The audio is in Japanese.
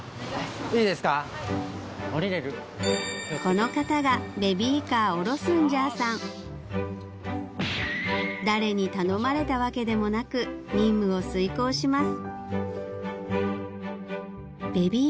この方が誰に頼まれたわけでもなく任務を遂行します